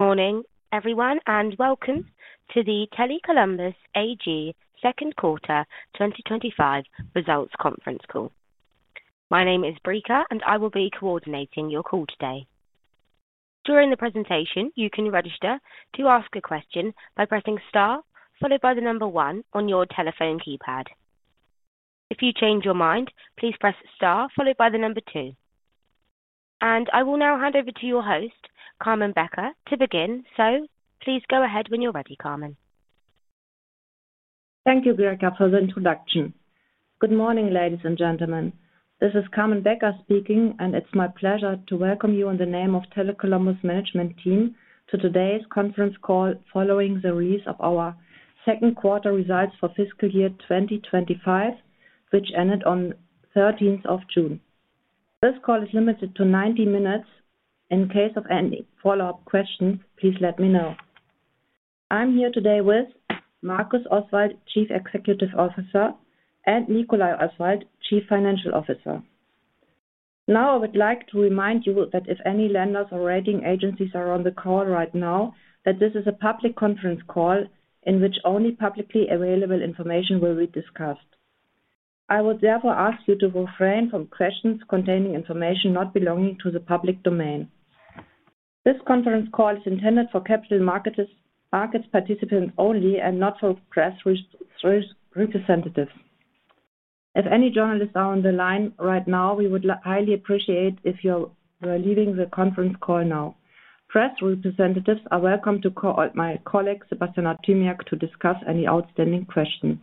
Morning, everyone, and welcome to the Tele Columbus AG Second Quarter 2025 Results Conference Call. My name is Brika, and I will be coordinating your call today. During the presentation, you can register to ask a question by pressing star, followed by the number one on your telephone keypad. If you change your mind, please press star, followed by the number two. I will now hand over to your host, Carmen Becker to begin. Please go ahead when you're ready, Carmen. Thank you, Brika for the introduction. Good morning, ladies and gentlemen. This is Carmen Becker speaking, and it's my pleasure to welcome you in the name of the Tele Columbus management team to today's conference call, following the release of our second quarter results for fiscal year 2025, which ended on the 13th of June. This call is limited to 90 minutes. In case of any follow-up questions, please let me know. I'm here today with Markus Oswald, Chief Executive Officer, and Nicolai Oswald, Chief Financial Officer. Now, I would like to remind you that if any lenders or rating agencies are on the call right now, that this is a public conference call in which only publicly available information will be discussed. I would therefore ask you to refrain from questions containing information not belonging to the public domain. This conference call is intended for capital markets participants only, and not for grassroots representatives. If any journalists are on the line right now, we would highly appreciate it if you were leaving the conference call now. Grassroots representatives are welcome to call my colleague, Sebastian Artymiak to discuss any outstanding questions.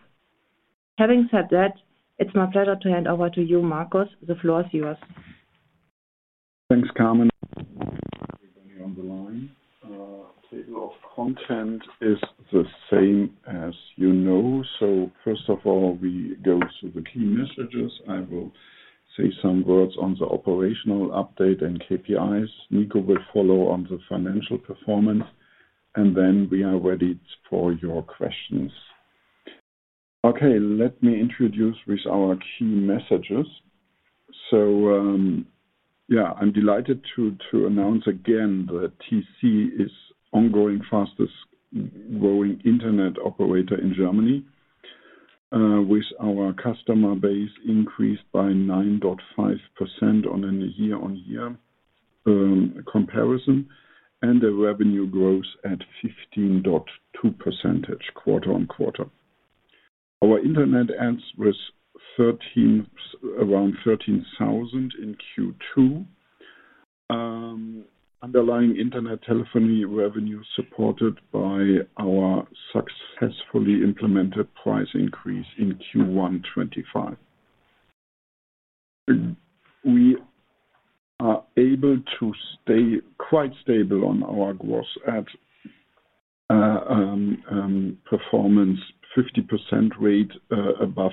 Having said that, it's my pleasure to hand over to you, Markus, the floor is yours. Thanks, Carmen. [I'm here] on the line. The table of content is the same, as you know. First of all, we go through the key messages. I will say some words on the operational update and KPIs. Nico will follow on the financial performance, and then we are ready for your questions. Let me introduce our key messages. I'm delighted to announce again that TC is the ongoing fastest growing internet operator in Germany, with our customer base increased by 9.5% on a year-on-year comparison, and the revenue growth at 15.2% quarter-on-quarter. Our internet adds was around 13,000 in Q2. Underlying internet, telephony revenue is supported by our successfully implemented price increase in Q1 2025. We are able to stay quite stable on our gross add performance, 50% rate above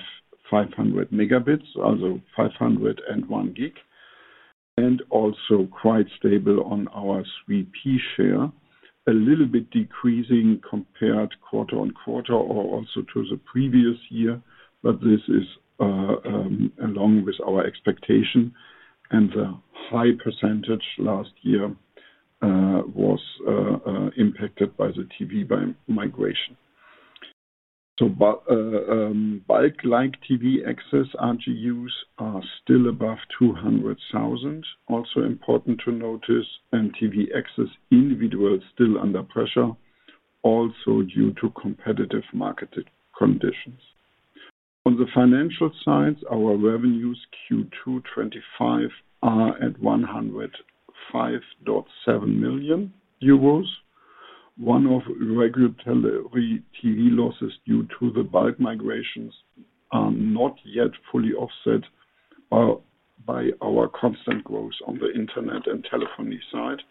500 Mb, also 501 GB, and also quite stable on our VP share, a little bit decreasing compared quarter-on-quarter or also to the previous year. This is along with our expectation, and the high percentage last year was impacted by the TV bulk migration. Like TV access RGUs are still above 200,000. Also important to notice, TV access individuals are still under pressure, also due to competitive market conditions. On the financial side, our revenues Q2 2025 are at €105.7 million. One of regulatory TV losses due to the bulk migrations are not yet fully offset by our constant growth on the internet and telephony side.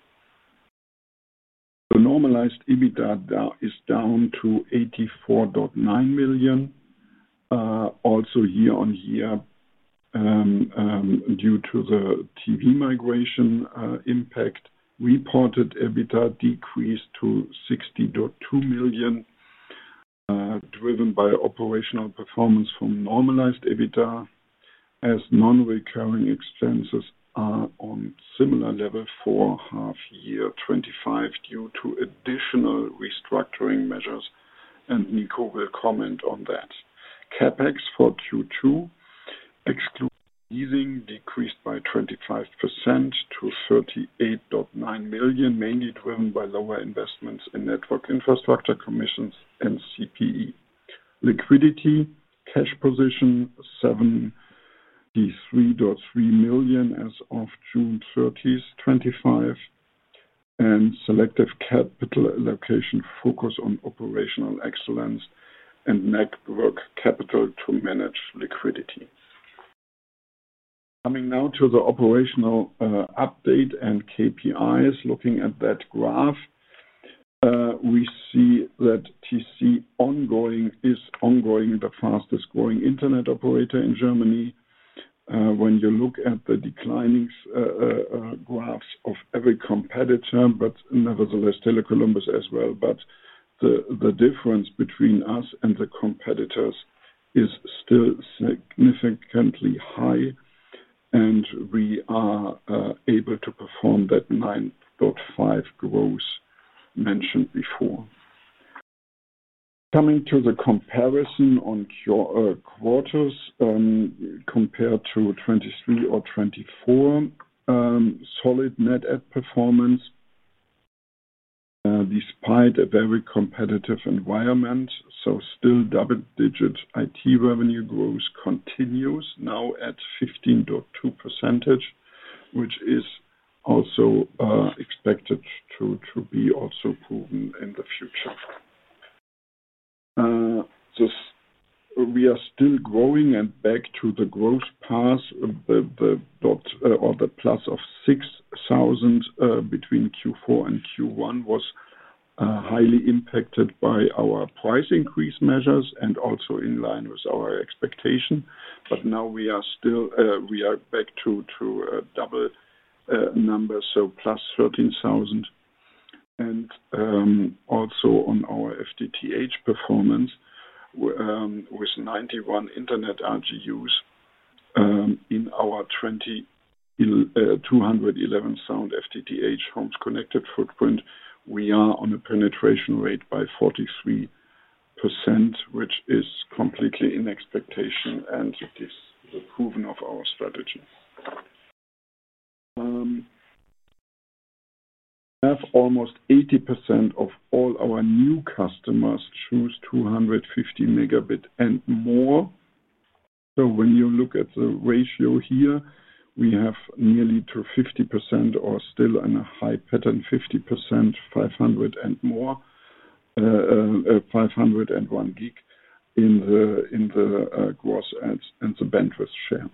The normalized EBITDA is down to €84.9 million. Also, year-on-year, due to the TV migration impact, reported EBITDA decreased to €60.2 million, driven by operational performance from normalized EBITDA as non-recurring expenses are on a similar level for half year 2025, due to additional restructuring measures. Nico will comment on that. CapEx for Q2, leasing decreased by 25% to €38.9 million, mainly driven by lower investments in network infrastructure commissions and CPE. Liquidity cash position was €73.3 million as of June 30th, 2025, and selective capital allocation focused on operational excellence and network capital to manage liquidity. Coming now to the operational update and KPIs, looking at that graph, we see that TC AG is the ongoing fastest growing internet operator in Germany. When you look at the declining graphs of every competitor, nevertheless, Tele Columbus as well, but the difference between us and the competitors is still significantly high, and we are able to perform that 9.5% growth mentioned before. Coming to the comparison on quarters compared to 2023 or 2024, solid net ad performance, despite a very competitive environment. Still, double-digit IT revenue growth continues now at 15.2%, which is also expected to be also proven in the future. We are still growing, and back to the growth path, the dot or the plus of 6,000 between Q4 and Q1 was highly impacted by our price increase measures and also in line with our expectation. Now we are back to double numbers, so +13,000. Also, on our FTTH performance, with 91 internet RGUs in our 211 sound FTTH homes connected footprint, we are on a penetration rate by 43%, which is completely in expectation and it is proven of our strategy. Almost 80% of all our new customers choose 250 Mb and more. When you look at the ratio here, we have nearly 50% or still in a high pattern, 50%, 500 and more, 501 GB in the gross ads and the bandwidth share.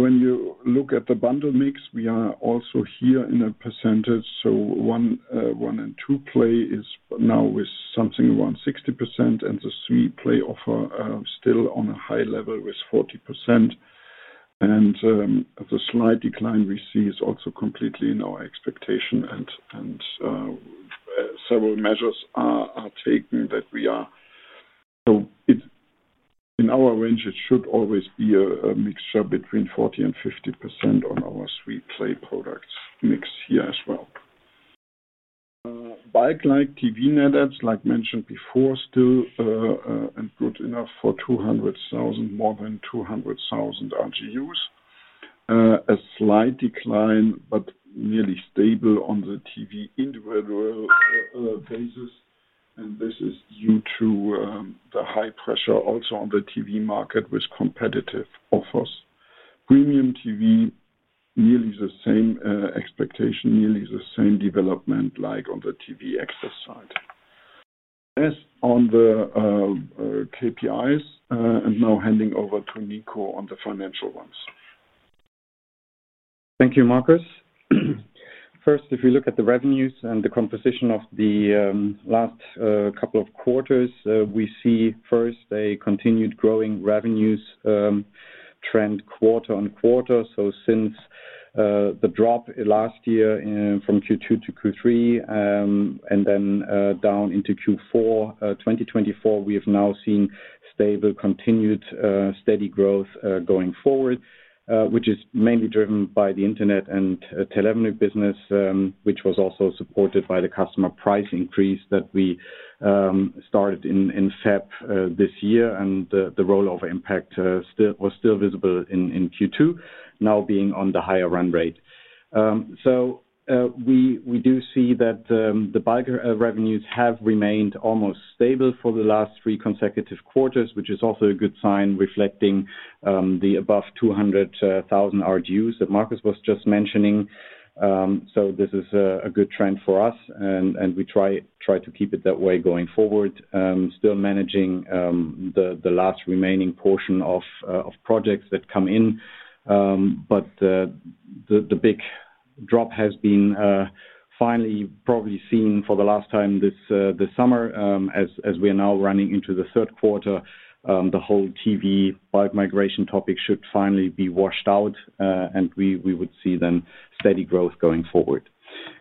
When you look at the bundle mix, we are also here in a percentage. One and two play is now with something around 60%, and the three play offer still on a high level with 40%. The slight decline we see is also completely in our expectation, and several measures are taken. In our range, it should always be a mixture between 40% and 50% on our three-play products mix here as well. Bulk like TV net ads, like mentioned before, still are good enough for more than 200,000 RGUs. A slight decline, but nearly stable on the TV individual basis. This is due to the high pressure also on the TV market with competitive offers. Premium TV, nearly the same expectation, nearly the same development like on the TV access side. As on the KPIs, I'm now handing over to Nico on the financial ones. Thank you, Markus. First, if we look at the revenues and the composition of the last couple of quarters, we see first a continued growing revenues trend quarter-on-quarter. Since the drop last year from Q2 to Q3 and then down into Q4 2024, we have now seen stable continued steady growth going forward, which is mainly driven by the internet and telephony business, which was also supported by the customer price increase that we started in February this year. The rollover impact was still visible in Q2, now being on the higher run rate. We do see that the bulk of revenues have remained almost stable for the last three consecutive quarters, which is also a good sign, reflecting the above 200,000 RGUs that Markus was just mentioning. This is a good trend for us and we try to keep it that way going forward, still managing the last remaining portion of projects that come in. The big drop has been finally probably seen for the last time this summer. As we are now running into the third quarter, the whole TV bulk migration topic should finally be washed out, and we would see then steady growth going forward.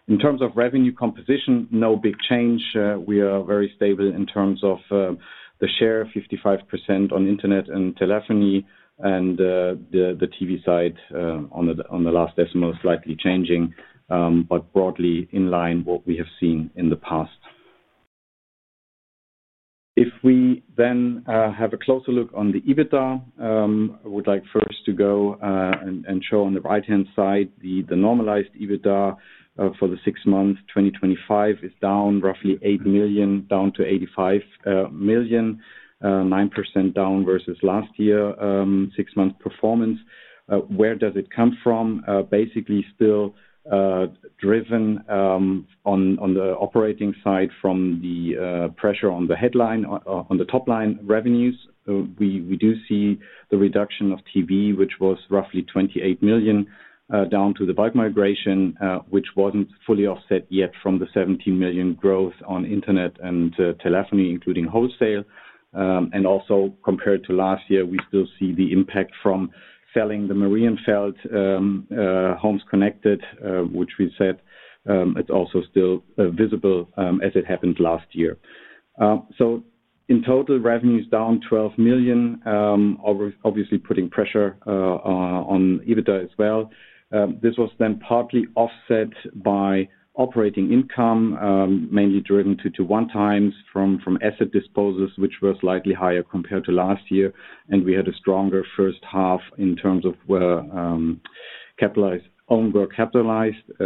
In terms of revenue composition, no big change. We are very stable in terms of the share, 55% on internet and telephony, and the TV side on the last decimal slightly changing, but broadly in line with what we have seen in the past. If we then have a closer look on the EBITDA, I would like first to go and show on the right-hand side, the normalized EBITDA for the six months 2025 is down roughly €8 million down to €85 million, 9% down versus last year's six-month performance. Where does it come from? Basically, still driven on the operating side from the pressure on the top line revenues. We do see the reduction of TV, which was roughly €28 million, down to the bulk migration, which wasn't fully offset yet from the €17 million growth on internet and telephony, including wholesale. Also, compared to last year, we still see the impact from selling the Marienfeld homes connected, which we said is also still visible as it happened last year. In total, revenue is down €12 million, obviously putting pressure on EBITDA as well. This was then partly offset by operating income, mainly driven to one times from asset disposals, which were slightly higher compared to last year. We had a stronger first half in terms of owned work capitalized. I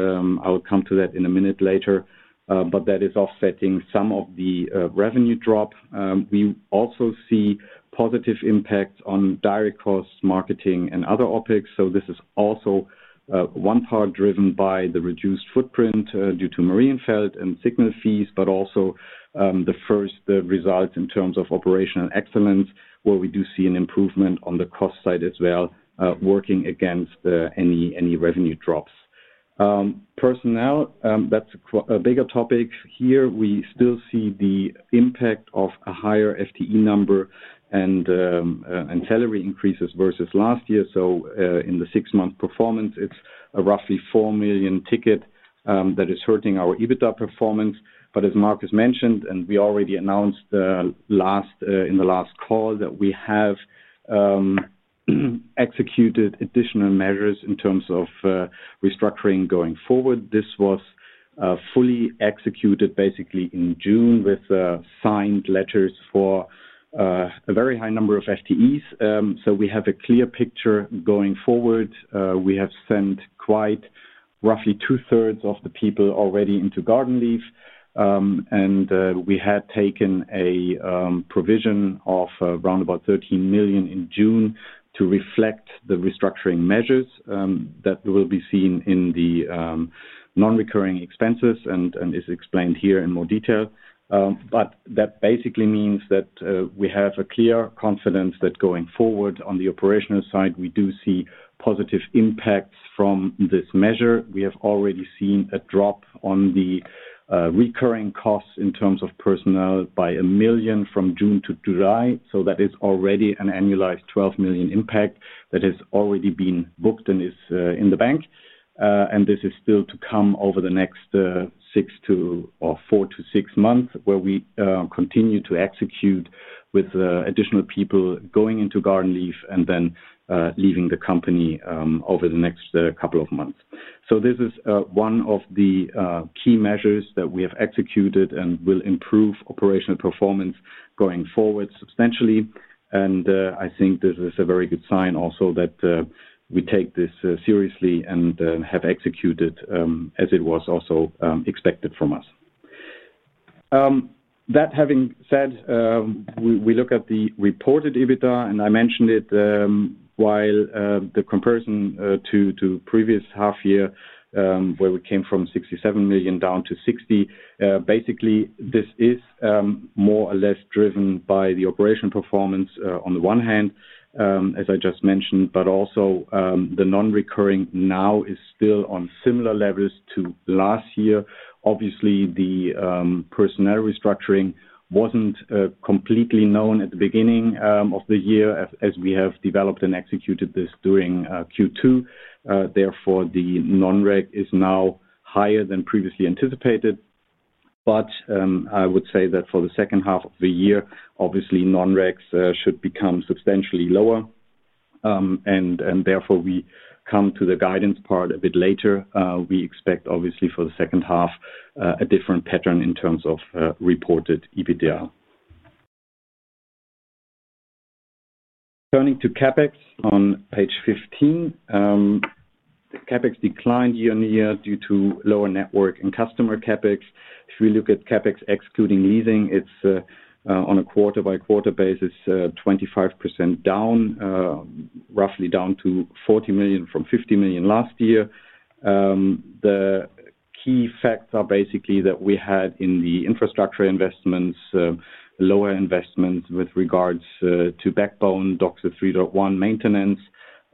will come to that in a minute later. That is offsetting some of the revenue drop. We also see positive impacts on direct costs, marketing, and other OpEx. This is also one part driven by the reduced footprint due to Marienfeld and signal fees, but also, the first results in terms of operational excellence, where we do see an improvement on the cost side as well, working against any revenue drops. Personnel, that's a bigger topic here. We still see the impact of a higher FTE number and salary increases versus last year. In the six-month performance, it's a roughly $4 million ticket that is hurting our EBITDA performance. As Markus mentioned, and we already announced in the last call, that we have executed additional measures in terms of restructuring going forward. This was fully executed basically in June, with signed letters for a very high number of FTEs. We have a clear picture going forward. We have sent quite roughly 2/3 of the people already into garden leave. We had taken a provision of around about $13 million in June, to reflect the restructuring measures that will be seen in the non-recurring expenses and is explained here in more detail. That basically means that we have a clear confidence that going forward on the operational side, we do see positive impacts from this measure. We have already seen a drop on the recurring costs in terms of personnel by $1 million from June to July. That is already an annualized $12 million impact that has already been booked and is in the bank. This is still to come over the next four to six months, where we continue to execute with additional people going into garden leave and then leaving the company over the next couple of months. This is one of the key measures that we have executed and will improve operational performance going forward substantially. I think this is a very good sign also that we take this seriously, and have executed as it was also expected from us. That having said, we look at the reported EBITDA. I mentioned it in the comparison to the previous half year, where we came from $67 million down to $60 million. Basically, this is more or less driven by the operational performance on the one hand, as I just mentioned, but also the non-recurring now is still on similar levels to last year. Obviously, the personnel restructuring wasn't completely known at the beginning of the year, as we have developed and executed this during Q2. Therefore, the non-rec is now higher than previously anticipated. I would say that for the second half of the year, obviously, non-recs should become substantially lower. Therefore, we come to the guidance part a bit later. We expect obviously, for the second half, a different pattern in terms of reported EBITDA. Turning to CapEx on page 15, CapEx declined year-on-year due to lower network and customer CapEx. If we look at CapEx excluding leasing, it's on a quarter-by-quarter basis, 25% down, roughly down to €40 million from €50 million last year. The key factor basically that we had in the infrastructure investments, lower investments with regards to backbone, DOCSIS 3.1 maintenance,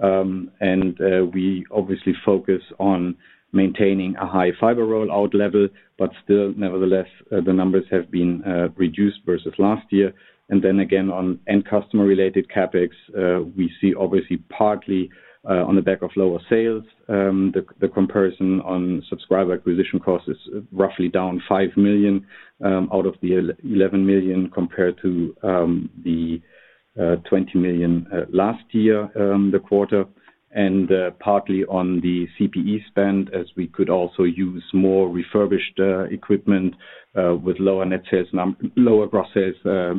we obviously focus on maintaining a high fiber rollout level, but still nevertheless, the numbers have been reduced versus last year. Again, on end customer-related CapEx, we see obviously partly on the back of lower sales, the comparison on subscriber acquisition cost is roughly down €5 million out of the €11 million compared to the €20 million last year, the quarter. Partly on the CPE spend, as we could also use more refurbished equipment with lower gross sales,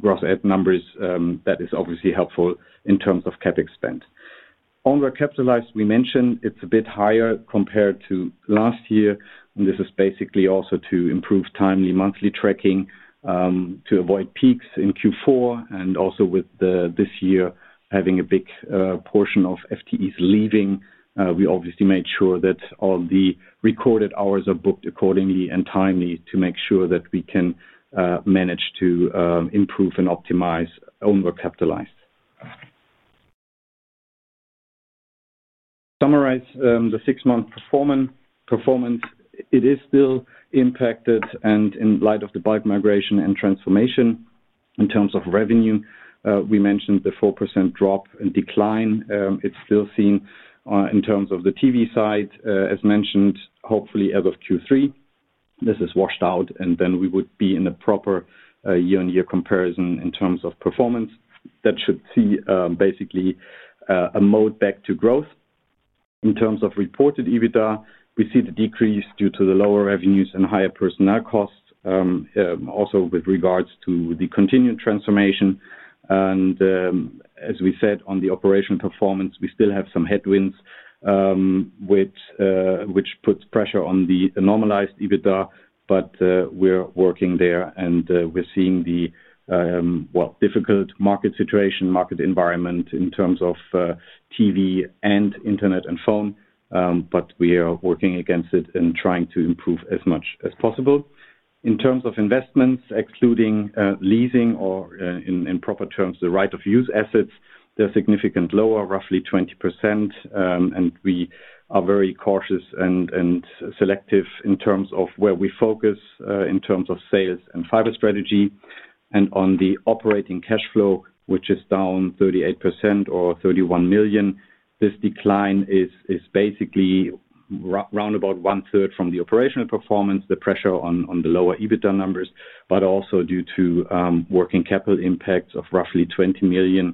gross add numbers, that is obviously helpful in terms of CapEx spend. Own work capitalized, we mentioned it's a bit higher compared to last year. This is basically also to improve timely monthly tracking to avoid peaks in Q4. Also, with this year having a big portion of FTEs leaving, we obviously made sure that all the recorded hours are booked accordingly and timely, to make sure that we can manage to improve and optimize own work capitalized. To summarize the six-month performance, it is still impacted. In light of the bulk migration and transformation in terms of revenue, we mentioned the 4% drop and decline. It's still seen in terms of the TV side, as mentioned, hopefully as of Q3. This is washed out, and then we would be in a proper year-on-year comparison in terms of performance. That should see basically a mode back to growth. In terms of reported EBITDA, we see the decrease due to the lower revenues and higher personnel costs, also with regards to the continued transformation. As we said on the operational performance, we still have some headwinds which put pressure on the normalized EBITDA, but we're working there and we're seeing the difficult market situation, market environment in terms of TV and internet and phone, but we are working against it and trying to improve as much as possible. In terms of investments, excluding leasing or in proper terms, the right of use assets, they're significantly lower, roughly 20%. We are very cautious and selective in terms of where we focus, in terms of sales and fiber strategy. On the operating cash flow, which is down 38% or €31 million, this decline is basically round about 1/3 from the operational performance, the pressure on the lower EBITDA numbers, but also due to working capital impacts of roughly €20 million,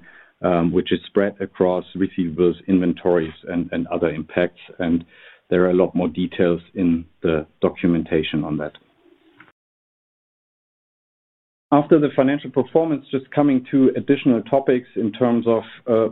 which is spread across receivables, inventories, and other impacts. There are a lot more details in the documentation on that. After the financial performance, just coming to additional topics in terms of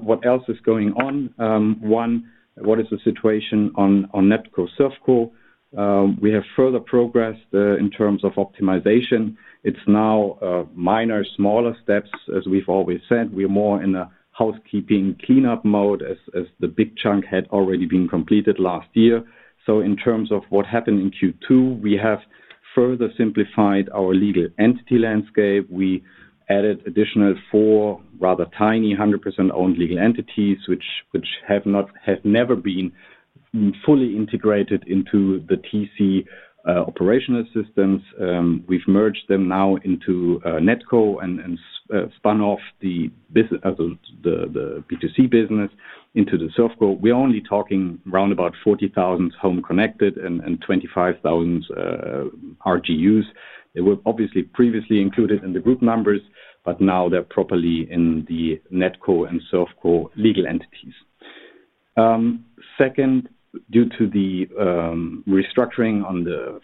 what else is going on, one, what is the situation on NetCo, ServCo? We have further progress in terms of optimization. It's now minor, smaller steps. As we've always said, we're more in a housekeeping cleanup mode as the big chunk had already been completed last year. In terms of what happened in Q2, we have further simplified our legal entity landscape. We added additional four rather tiny 100% owned legal entities, which have never been fully integrated into the TC operational systems. We've merged them now into NetCo and spun off the B2C business into the ServCo. We're only talking around about 40,000 homes connected and 25,000 RGUs. They were obviously previously included in the group numbers, but now they're properly in the NetCo and ServCo legal entities. Second, due to the restructuring on the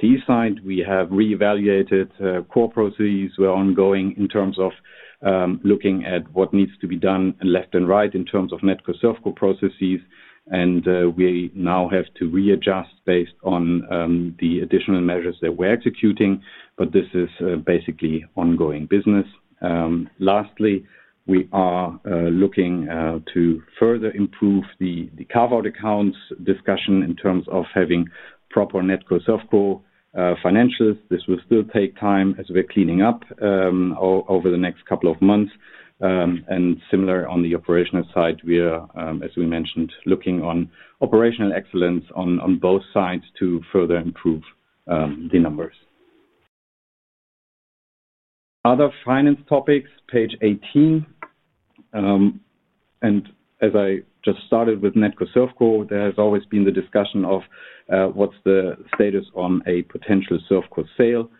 FTE side, we have reevaluated core processes. We're ongoing in terms of looking at what needs to be done left and right in terms of NetCo, ServCo processes. We now have to readjust based on the additional measures that we're executing. This is basically an ongoing business. Lastly, we are looking to further improve the carve-out accounts discussion in terms of having proper NetCo, ServCo financials. This will still take time, as we're cleaning up over the next couple of months. Similar, on the operational side, we are, as we mentioned, looking on operational excellence on both sides to further improve the numbers. Other finance topics, page 18. As I just started with NetCo, ServCo, there has always been the discussion of, what's the status on a potential ServCo sale?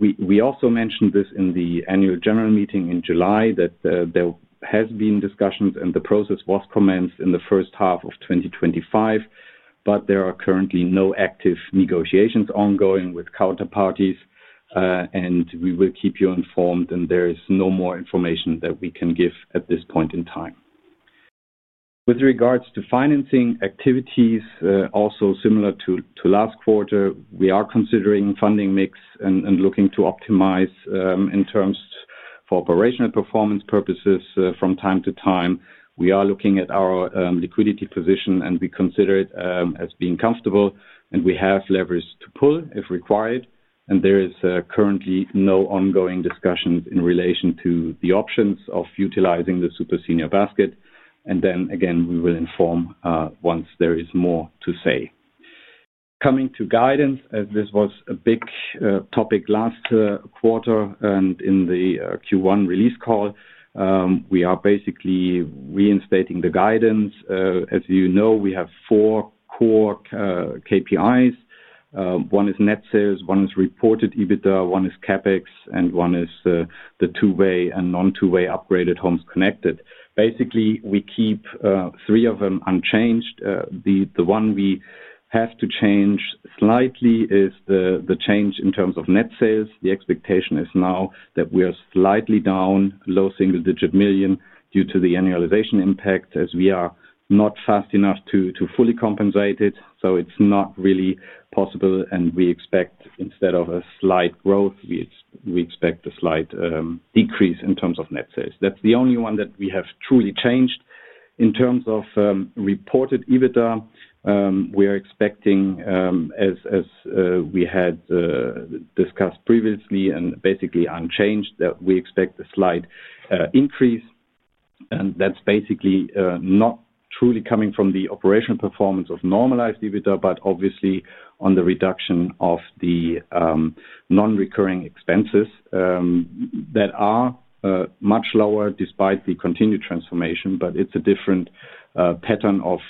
We also mentioned this in the annual general meeting in July, that there have been discussions and the process was commenced in the first half of 2025. There are currently no active negotiations ongoing with counterparties. We will keep you informed, and there is no more information that we can give at this point in time. With regards to financing activities, also similar to last quarter, we are considerin ag funding mix and looking to optimize in terms for operational performance purposes from time to time. We are looking at our liquidity position, and we consider it as being comfortable and we have levers to pull if required. There is currently no ongoing discussion in relation to the options of utilizing the super senior basket. Again, we will inform once there is more to say. Coming to guidance, this was a big topic last quarter and in the Q1 release call. We are basically reinstating the guidance. As you know, we have four core KPIs. One is net sales, one is reported EBITDA, one is CapEx, and one is the two-way and non-two-way upgraded homes connected. Basically, we keep three of them unchanged. The one we have to change slightly is the change in terms of net sales. The expectation is now that we are slightly down low single-digit million due to the annualization impact, as we are not fast enough to fully compensate it. It's not really possible, and instead of a slight growth, we expect a slight decrease in terms of net sales. That's the only one that we have truly changed. In terms of reported EBITDA, as we had discussed previously and basically unchanged, we expect a slight increase. That's basically not truly coming from the operational performance of normalized EBITDA, but obviously on the reduction of the non-recurring expenses that are much lower despite the continued transformation. It's a different pattern of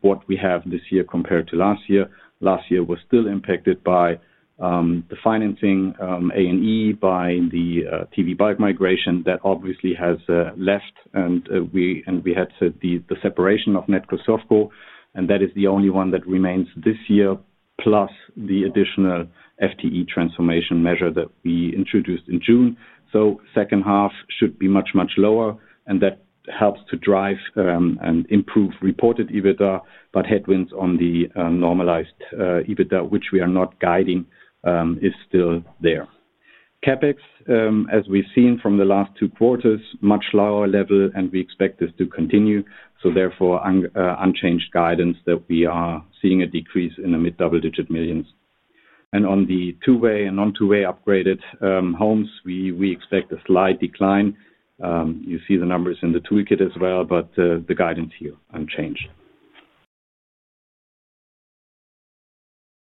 what we have this year compared to last year. Last year was still impacted by the financing A&E by the TV bulk migration that obviously has left. We had set the separation of NetCo, ServCo, and that is the only one that remains this year, plus the additional FTE transformation measure that we introduced in June. The second half should be much, much lower, and that helps to drive and improve reported EBITDA, but headwinds on the normalized EBITDA, which we are not guiding is still there. CapEx, as we've seen from the last two quarters, much lower level and we expect this to continue. Therefore, unchanged guidance, that we are seeing a decrease in the mid-double-digit millions. On the two-way and non-two-way upgraded homes, we expect a slight decline. You see the numbers in the [toolkit as well], but the guidance here is unchanged.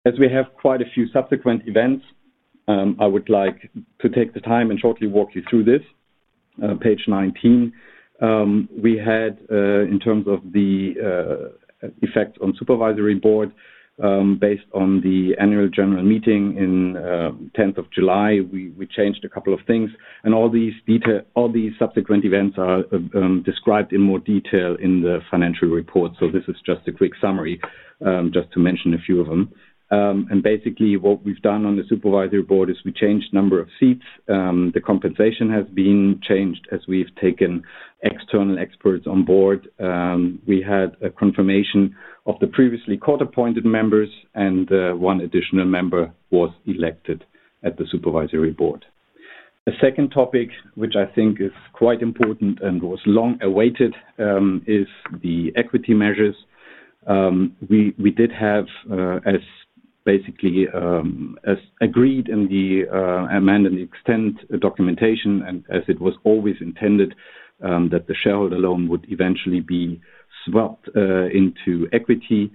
As we have quite a few subsequent events, I would like to take the time and shortly walk you through this, page 19. In terms of the effects on the Supervisory Board, based on the annual general meeting on 10th of July, we changed a couple of things. All these subsequent events are described in more detail in the financial report. This is just a quick summary, just to mention a few of them. Basically, what we've done on the Supervisory Board is we changed the number of seats. The compensation has been changed as we've taken external experts on board. We had a confirmation of the previously court-appointed members, and one additional member was elected to the Supervisory Board. A second topic, which I think is quite important and was long-awaited is the equity measures. We did have, as basically agreed in the amend and extend documentation, and as it was always intended, that the shareholder loan would eventually be swapped into equity.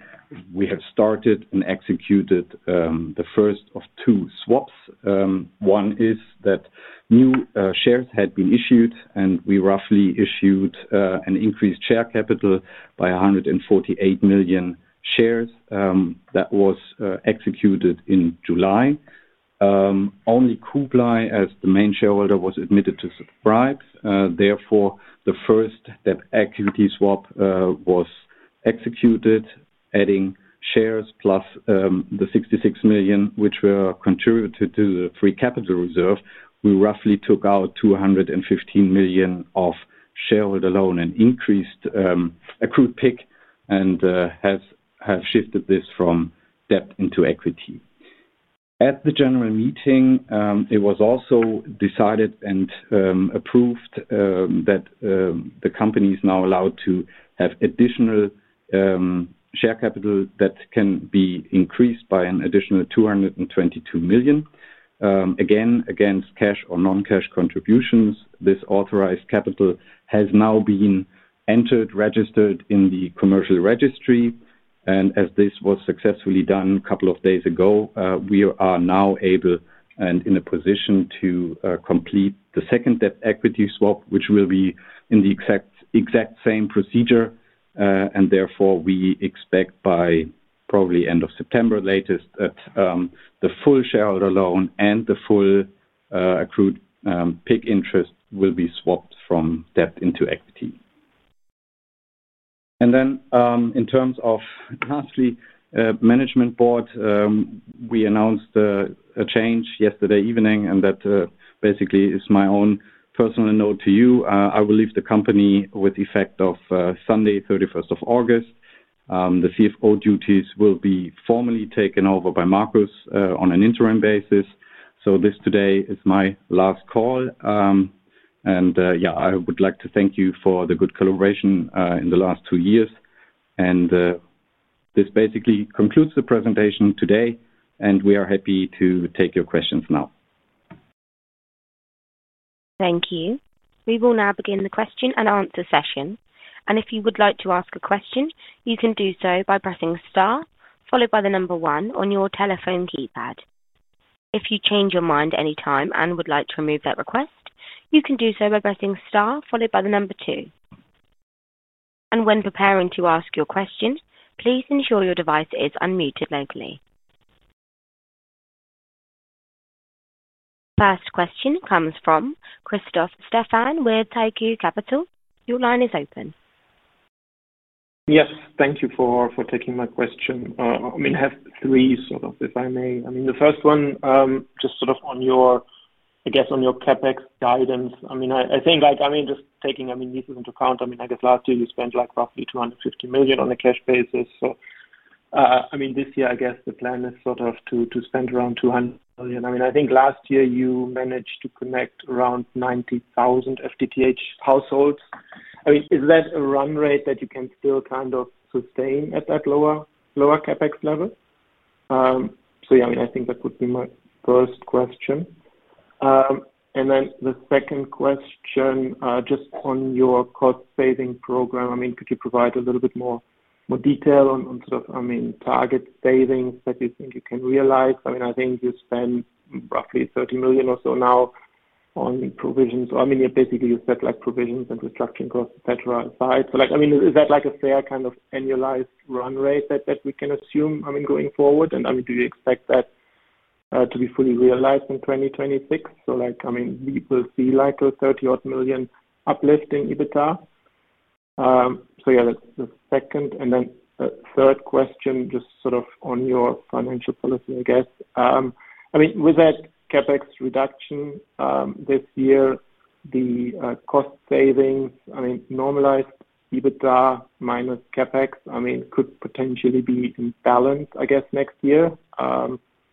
We have started and executed the first of two swaps. One is that new shares had been issued, and we roughly issued an increased share capital by 148 million shares. That was executed in July. Only Cooply as the main shareholder was admitted to subscribe. Therefore, the first equity swap was executed, adding shares plus the €66 million which were contributed to the free capital reserve. We roughly took out €215 million of shareholder loan and increased accrued PIC, and have shifted this from debt into equity. At the general meeting, it was also decided and approved that the company is now allowed to have additional share capital that can be increased by an additional €222 million. Again, against cash or non-cash contributions, this authorized capital has now been entered, registered in the commercial registry. As this was successfully done a couple of days ago, we are now able and in a position to complete the second debt-equity swap, which will be in the exact same procedure. Therefore, we expect by probably end of September latest, that the full shareholder loan and the full accrued PIC interest will be swapped from debt into equity. Lastly, in terms of the Management Board, we announced a change yesterday evening, and that basically is my own personal note to you. I will leave the company with the effect of Sunday, 31st of August. The CFO duties will be formally taken over by Markus on an interim basis. This today is my last call. I would like to thank you for the good collaboration in the last two years. This basically concludes the presentation today, and we are happy to take your questions now. Thank you. We will now begin the question-and-answer session. If you would like to ask a question, you can do so by pressing star, followed by the number one on your telephone keypad. If you change your mind anytime and would like to remove that request, you can do so by pressing star, followed by the number two. When preparing to ask your questions, please ensure your device is unmuted locally. First question comes from [Christoph Stefan] with Tikehau Capital. Your line is open. Yes, thank you for taking my question. I have three, if I may. The first one, just on your CapEx guidance. I think just taking this into account, I guess last year you spent roughly €250 million on a cash basis. This year, I guess the plan is to spend around €200 million. I think last year you managed to connect around 90,000 FTTH households. Is that a run rate that you can still sustain at that lower CapEx level? That would be my first question. The second question, just on your cost-saving program, could you provide a little bit more detail on target savings that you think you can realize? I think you spent roughly €30 million or so now on provisions. Basically, you set provisions and restructuring costs, etc., aside. Is that a fair kind of annualized run rate that we can assume going forward? Do you expect that to be fully realized in 2026? We will see a €30-odd million uplift in EBITDA, that's the second. The third question, just on your financial policy, I guess. With that CapEx reduction this year, the cost savings, normalized EBITDA minus CapEx could potentially be balanced next year,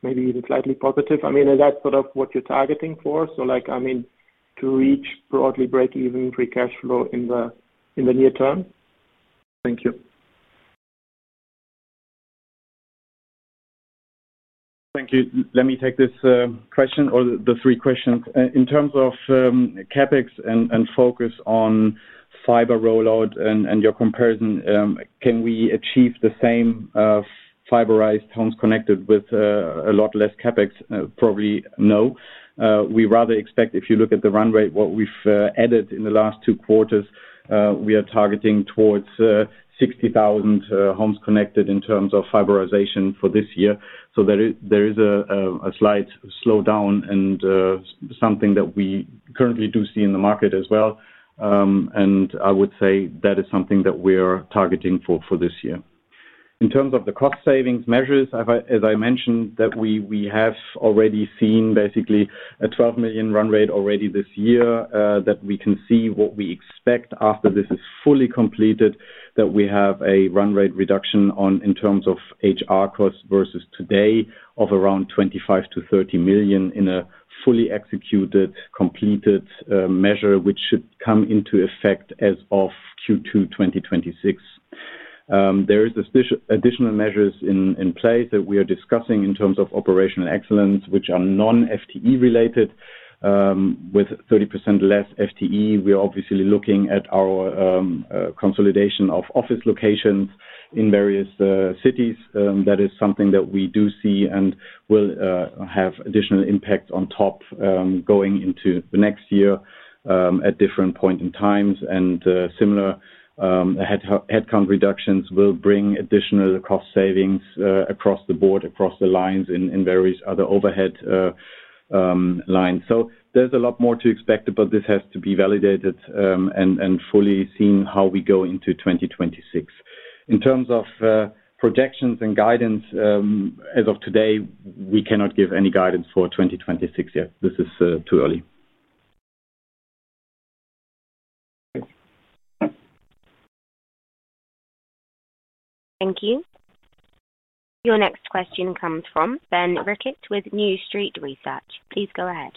maybe even slightly positive. Is that what you're targeting for, to reach broadly break-even free cash flow in the near term? Thank you. Thank you. Let me take this question or the three questions. In terms of CapEx and focus on fiber rollout and your comparison, can we achieve the same fiberized homes connected with a lot less CapEx? Probably no. We rather expect, if you look at the run rate, what we've added in the last two quarters, we are targeting towards 60,000 homes connected in terms of fiberization for this year. There is a slight slowdown, and something that we currently do see in the market as well. I would say that is something that we are targeting for this year. In terms of the cost savings measures, as I mentioned, we have already seen basically a $12 million run rate already this year that we can see. What we expect after this is fully completed, is that we have a run rate reduction in terms of HR costs versus today, of around $25-$30 million in a fully executed, completed measure, which should come into effect as of Q2 2026. There is additional measures in place that we are discussing in terms of operational excellence, which are non-FTE related, with 30% less FTE. We are obviously looking at our consolidation of office locations in various cities. That is something that we do see and will have additional impacts on top, going into the next year at different points in time. Similar headcount reductions will bring additional cost savings across the board, across the lines in various other overhead lines. There is a lot more to expect, but this has to be validated and fully seen how we go into 2026. In terms of projections and guidance, as of today, we cannot give any guidance for 2026 yet. This is too early. Thank you. Your next question comes from Ben Rickett with New Street Research. Please go ahead.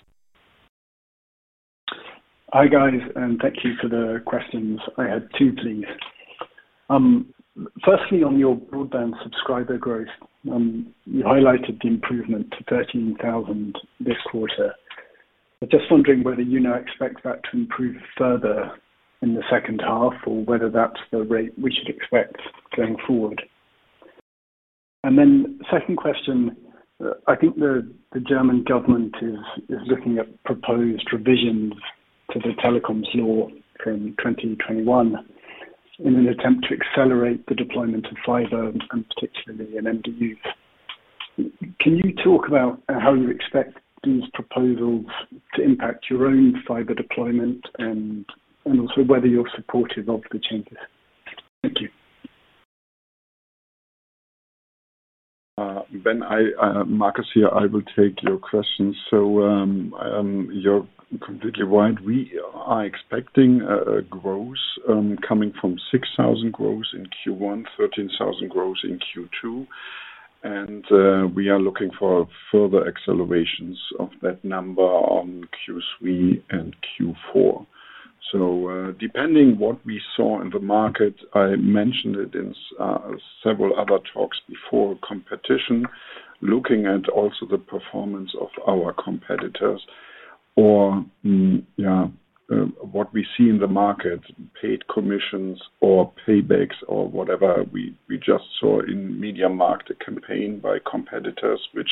Hi guys, and thank you for the questions. I had two, please. Firstly, on your broadband subscriber growth, you highlighted the improvement to 13,000 this quarter. I'm just wondering whether you now expect that to improve further in the second half or whether that's the rate we should expect going forward. The second question, I think the German government is looking at proposed revisions to the telecoms law in 2021, in an attempt to accelerate the deployment of fiber and particularly in end-use. Can you talk about how you expect these proposals to impact your own fiber deployment, and also whether you're supportive of the changes? Ben, Markus here, I will take your question. You're completely right. We are expecting a growth coming from 6,000 growth in Q1, 13,000 growth in Q2. We are looking for further accelerations of that number in Q3 and Q4. Depending on what we saw in the market, I mentioned it in several other talks before, competition, looking at also the performance of our competitors or what we see in the market, paid commissions or paybacks or whatever, we just saw in MediaMarkt, a campaign by competitors, which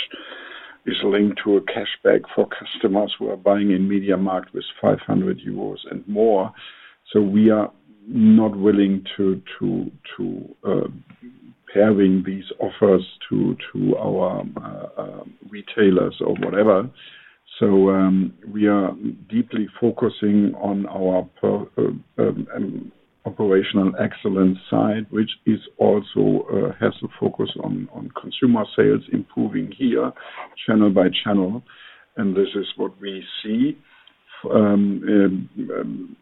is linked to a cashback for customers who are buying in MediaMarkt with €500 and more. We are not willing to [pair] in these offers to our retailers or whatever. We are deeply focusing on our operational excellence side, which also has a focus on consumer sales improving here, channel by channel. This is what we see. On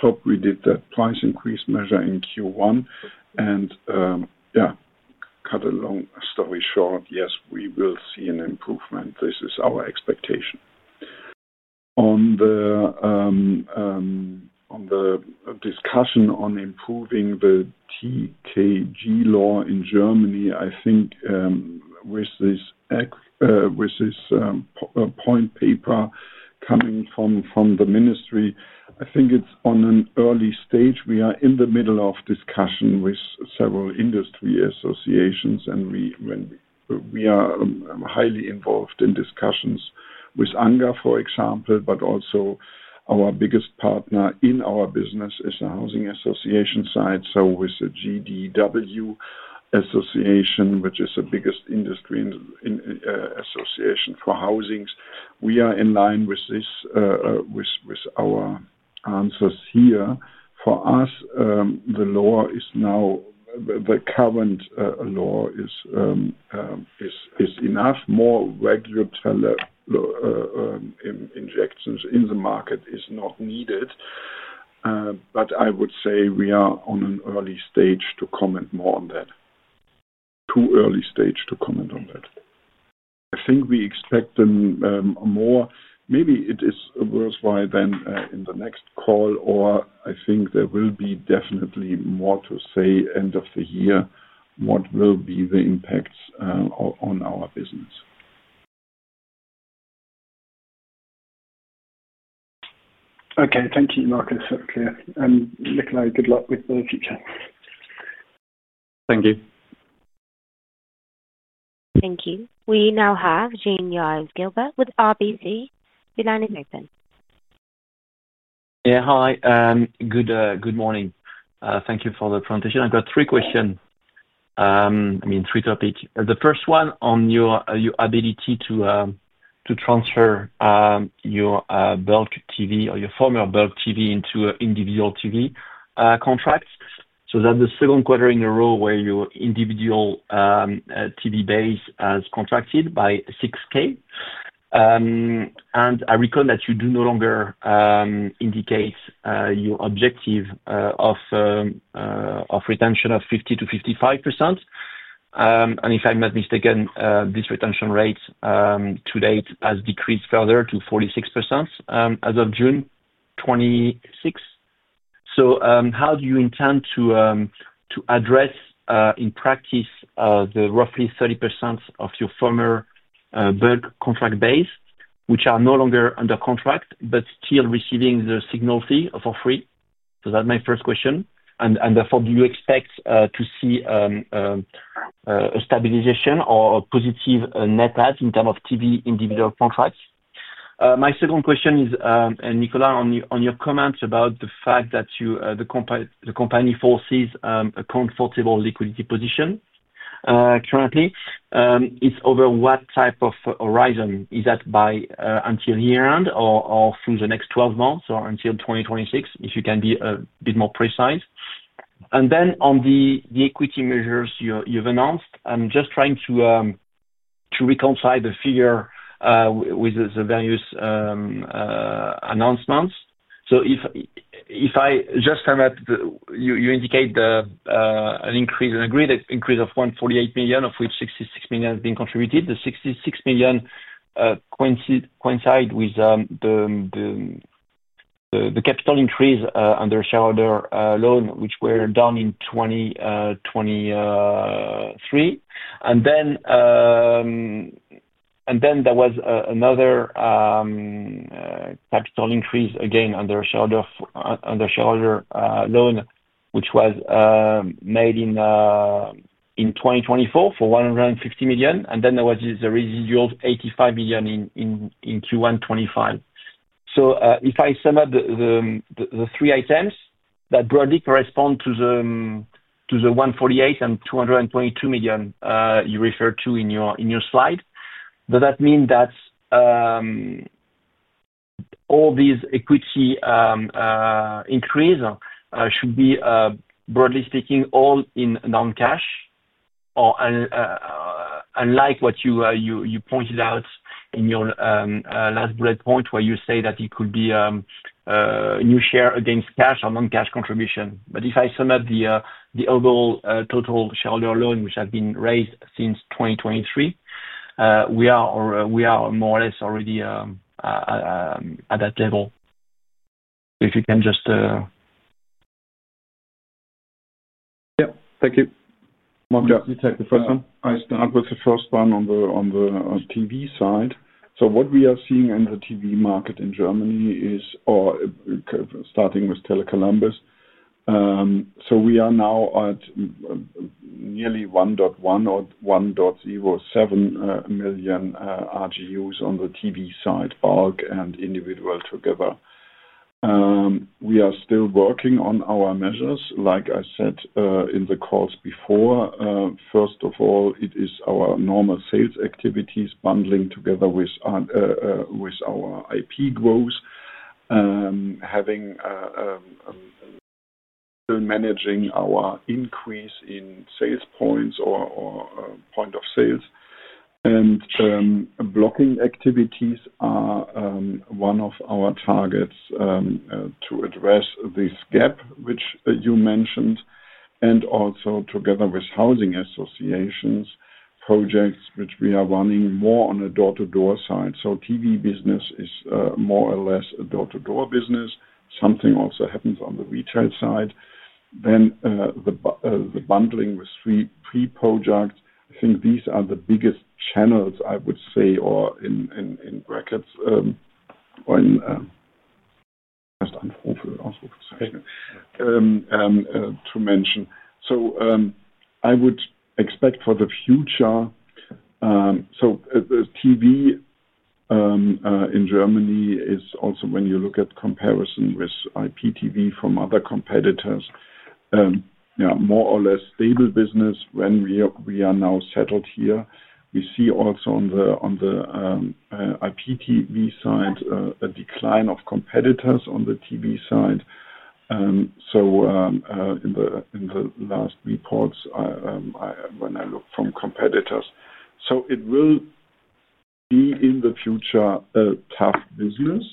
top, we did the price increase measure in Q1. To cut a long story short, yes, we will see an improvement. This is our expectation. On the discussion on improving the TKG law in Germany, I think with this point paper coming from the ministry, I think it's at an early stage. We are in the middle of discussion with several industry associations, and we are highly involved in discussions with ANGA, for example, but also our biggest partner in our business is the housing association side. With the GdW Association, which is the biggest industry association for housing, we are in line with our answers here. For us, the current law is enough. More regulatory injections in the market are not needed. I would say we are at an early stage to comment more on that, too early stage to comment on that. I think we expect more. Maybe it is worthwhile then in the next call or I think there will be definitely more to say at the end of the year, what will be the impacts on our business? Okay. Thank you, Markus, so clear. Nicolai, good luck with the future. Thank you. Thank you. We now have [John Yards-Gilbert] with RBC. Yeah, hi. Good morning. Thank you for the presentation. I've got three questions, I mean, three topics. The first one on your ability to transfer your bulk TV or your former bulk TV into an individual TV contract. That's the second quarter in a row where your individual TV base has contracted by 6,000. I recall that you do no longer indicate your objective of retention of 50%-55%. If I'm not mistaken, this retention rate to date has decreased further to 46% as of June 2026. How do you intend to address in practice, the roughly 30% of your former bulk contract base which are no longer under contract, but still receiving the signal fee for free? That's my first question. Therefore, do you expect to see a stabilization or a positive net add in terms of TV individual contracts? My second question is, and Nicolai, on your comments about the fact that the company forces a comfortable liquidity position currently, it's over what type of horizon? Is that until year-end or for the next 12 months or until 2026? If you can be a bit more precise. On the equity measures you've announced, I'm just trying to reconcile the figure with these various announcements. If I just sum up, you indicated an increase of €148 million, of which €66 million has been contributed. The €66 million coincides with the capital increase under shareholder loan, which were done in 2023. There was another capital increase again under shareholder loan, which was made in 2024, for €150 million. There was the residual €85 million in Q1 2025. If I sum up the three items that broadly correspond to the €148 million and €222 million you referred to in your slide, does that mean that all these equity increases should be, broadly speaking, all in non-cash or unlike what you pointed out in your last bullet point, where you say that it could be a new share against cash or non-cash contribution. If I sum up the overall total shareholder loan, which has been raised since 2023, we are more or less already at that level. Yeah. Thank you. Markus, can you take the first one? I'll start with the first one on the TV side. What we are seeing in the TV market in Germany is, or starting with Tele Columbus AG, we are now at nearly 1.1 or 1.07 million RGUs on the TV side, bulk and individual together. We are still working on our measures, like I said in the calls before. First of all, it is our normal sales activities, bundling together with our IP growth, managing our increase in sales points or point of sales. Blocking activities are one of our targets, to address this gap which you mentioned. Also, together with housing associations, projects which we are running more on a door-to-door side. TV business is more or less a door-to-door business. Something also happens on the retail side. The bundling with three projects, I think these are the biggest channels, I would say are in brackets, or to mention. I would expect for the future, so the TV in Germany is also, when you look at comparison with IPTV from other competitors, more or less stable business when we are now settled here. We see also on the IPTV side, a decline of competitors on the TV side. In the last reports, when I look from competitors, it will be in the future a tough business.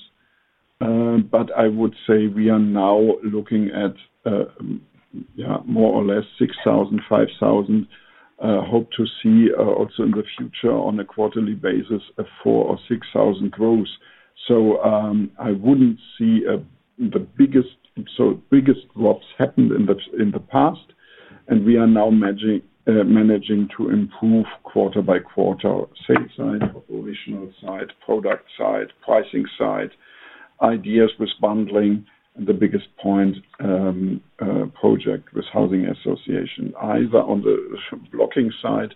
I would say we are now looking at more or less, 6,000, 5,000. Hope to see also in the future on a quarterly basis, a 4,000 or 6,000 growth. The biggest drops happened in the past. We are now managing to improve quarter by quarter, sales side, operational side, product side, pricing side, ideas with bundling and the biggest point, project with housing association, either on the blocking side,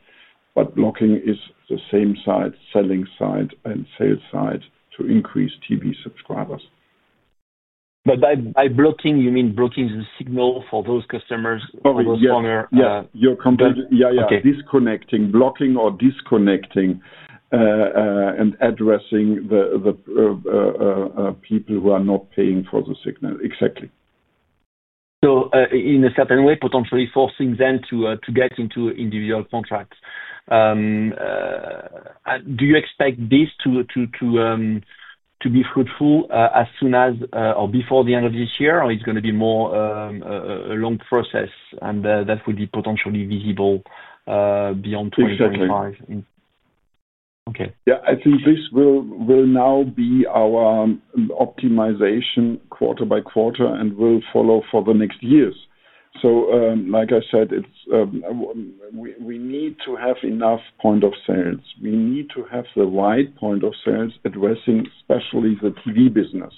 but blocking is the selling side and sales side to increase TV subscribers. By blocking, you mean blocking the signal for those customers? Yeah. Disconnecting, blocking or disconnecting, and addressing the people who are not paying for the signal. Exactly. In a certain way, potentially forcing them to get into individual contracts. Do you expect this to be fruitful as soon as or before the end of this year, or is it going to be more a long process that would be potentially visible beyond 2025? Exactly, yeah. I think this will now be our optimization quarter by quarter, and will follow for the next years. Like I said, we need to have enough point of sales. We need to have the right point of sales addressing especially the TV business.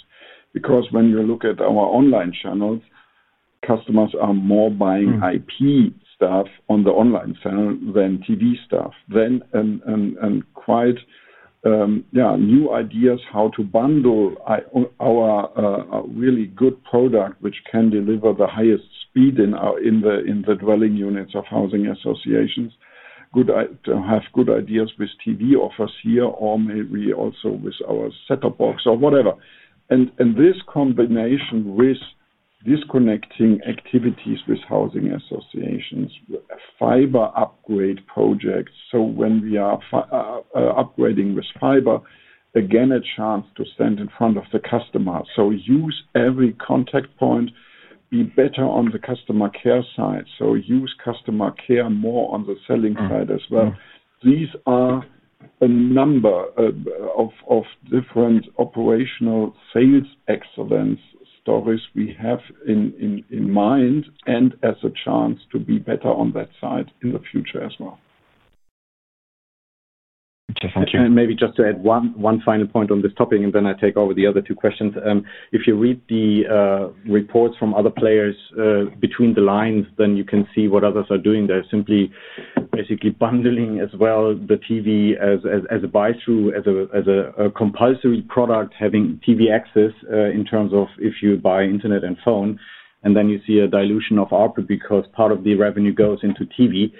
Because when you look at our online channels, customers are more buying IP stuff on the online channel than TV stuff. Quite new ideas, how to bundle our really good product, which can deliver the highest speed in the dwelling units of housing associations. Good to have good ideas with TV offers here or maybe also with our setup box or whatever. This combination with disconnecting activities with housing association's a fiber upgrade project. When we are upgrading with fiber, again a chance to stand in front of the customer. Use every contact point, be better on the customer care side. Use customer care more on the selling side as well. These are a number of different operational sales excellence stories we have in mind, and as a chance to be better on that side in the future as well. Thank you. Maybe just to add one final point on this topic, then I take over the other two questions. If you read the reports from other players between the lines, then you can see what others are doing. They're simply basically bundling as well, the TV as a buy-through, as a compulsory product, having TV access in terms of, if you buy internet and phone. You see a dilution of ARPU because part of the revenue goes into TV,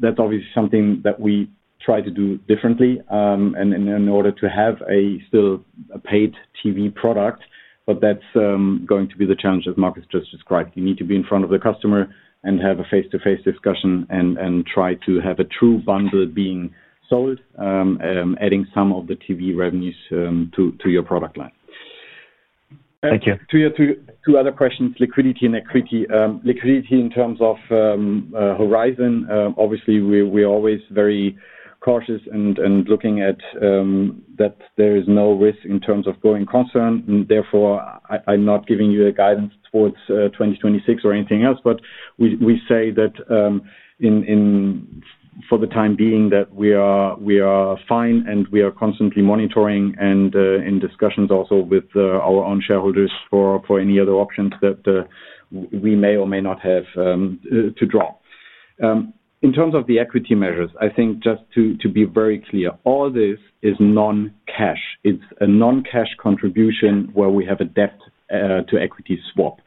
that's obviously something that we try to do differently in order to have still a paid TV product. That's going to be the challenge, as Markus just described. You need to be in front of the customer and have a face-to-face discussion, and try to have a true bundle being sold, adding some of the TV revenues to your product line. Thank you. Two other questions, liquidity and equity. Liquidity in terms of horizon, obviously we're always very cautious and looking at that there is no risk in terms of going concern. Therefore, I'm not giving you a guidance towards 2026 or anything else, but we say that for the time being, we are fine and we are constantly monitoring, and in discussions also with our own shareholders for any other options that we may or may not have to draw. In terms of the equity measures, I think just to be very clear, all this is non-cash. It's a non-cash contribution where we have a debt-to-equity swap.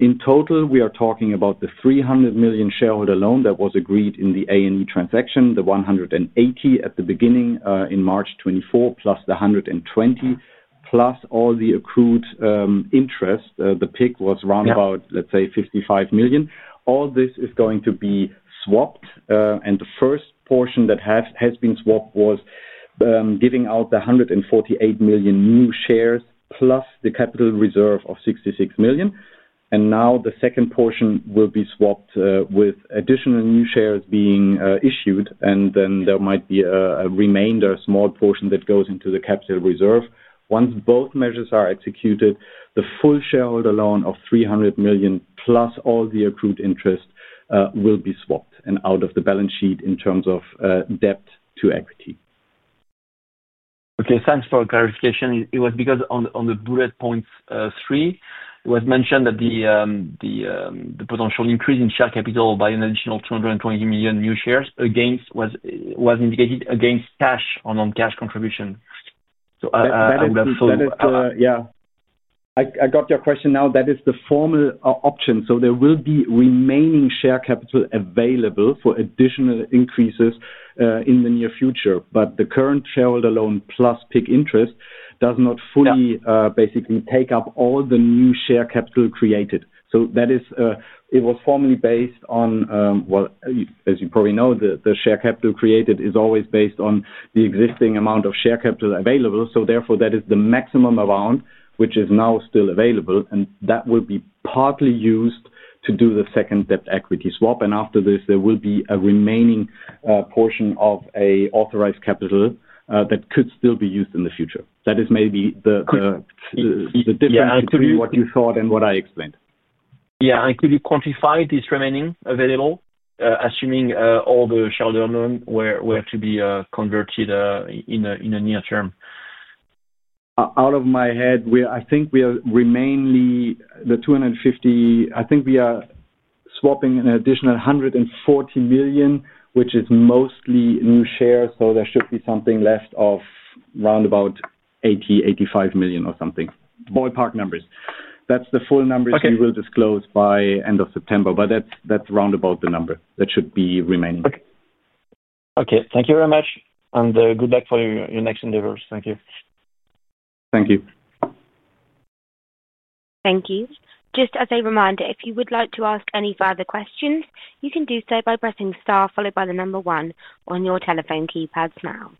In total, we are talking about the €300 million shareholder loan that was agreed in the A&E transaction, the €180 million at the beginning in March 2024, plus the €120 million, plus all the accrued interest. The PIC was round about, let's say, €55 million. All this is going to be swapped. The first portion that has been swapped was giving out the 148 million new shares plus the capital reserve of €66 million. Now the second portion will be swapped with additional new shares being issued. There might be a remainder, a small portion that goes into the capital reserve. Once both measures are executed, the full shareholder loan of €300 million plus all the accrued interest will be swapped and out of the balance sheet in terms of debt to equity. Okay, thanks for the clarification. It was because on the bullet points three, it was mentioned that the potential increase in share capital by an additional 220 million new shares was indicated against cash or non-cash contribution. I understood.. I got your question now. That is the formal option. There will be remaining share capital available for additional increases in the near future. The current shareholder loan plus PIC interest does not fully basically take up all the new share capital created. As you probably know, the share capital created is always based on the existing amount of share capital available. Therefore, that is the maximum amount, which is now still available. That will be partly used to do the second debt-equity swap. After this, there will be a remaining portion of an authorized capital that could still be used in the future. That is maybe the difference between what you thought and what I explained. Yeah. Can you quantify this remaining available, assuming all the shareholder loan were to be converted in the near term? Out of my head, I think we are mainly the $250 million. I think we are swapping an additional $140 million, which is mostly new shares. There should be something left of around $80 million, $85 million or something, ballpark numbers. That's the full numbers we will disclose by the end of September. That's around the number that should be remaining. Okay, thank you very much. Good luck for your next endeavors. Thank you. Thank you. Thank you. Just as a reminder, if you would like to ask any further questions, you can do so by pressing star, followed by the number one on your telephone keypads now.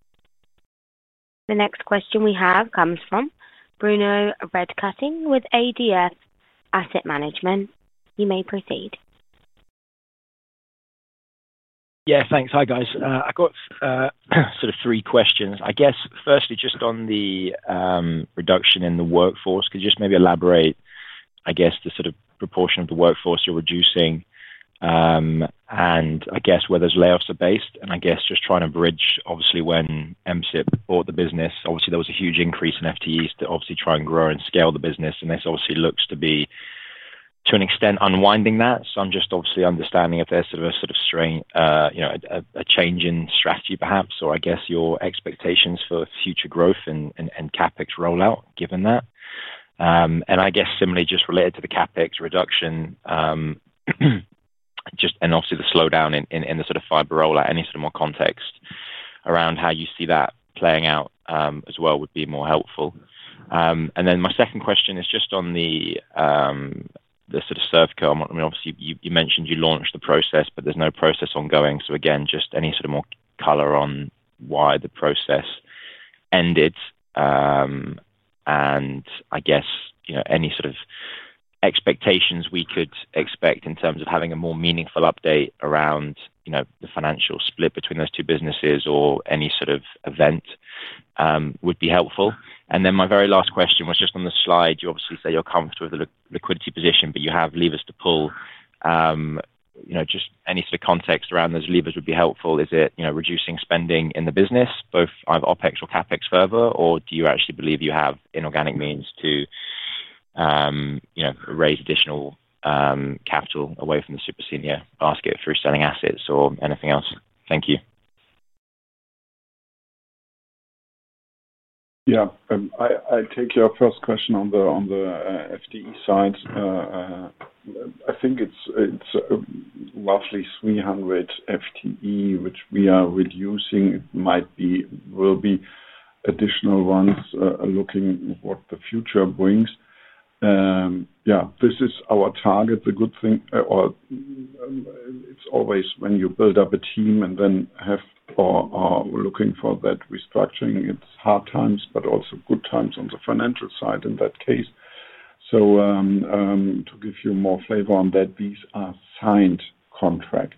The next question we have comes from Bruno Red-Cutting with ADF Asset Management. You may proceed. Yeah, thanks. Hi guys. I've got three questions. Firstly, just on the reduction in the workforce. Could you just maybe elaborate the proportion of the workforce you're reducing and where those layoffs are based? I'm just trying to bridge obviously when MSIP bought the business. Obviously, there was a huge increase in FTEs to try and grow and scale the business. This looks to be, to an extent, unwinding that. I'm just obviously understanding if there's a change in strategy perhaps, or your expectations for future growth and CapEx rollout given that. Similarly, just related to the CapEx reduction and also the slowdown in the fiber rollout, any more context around how you see that playing out as well would be helpful. My second question is just on the ServCo. Obviously, you mentioned you launched the process, but there's no process ongoing. Again, any more color on why the process ended, and any expectations we could expect in terms of having a more meaningful update around the financial split between those two businesses, or any event would be helpful. My very last question was just, on the slide, you obviously say you're comfortable with the liquidity position, but you have levers to pull. Just any context around those levers would be helpful. Is it reducing spending in the business, either OpEx or CapEx further, or do you actually believe you have inorganic means to raise additional capital away from the super senior basket through selling assets or anything else? Thank you. Yeah. I'll take your first question on the FTE side. I think it's roughly 300 FTE, which we are reducing. It might be, there will be additional ones, looking at what the future brings. Yeah, this is our targe, or it's always when you build up a team or are looking for that restructuring, it's hard times, but also good times on the financial side in that case. To give you more flavor on that, these are signed contracts.